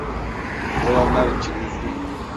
Olanlar için üzgünüm.